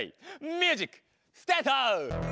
ミュージックスタート！